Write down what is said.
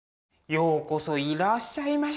ようこそいらっしゃいまし。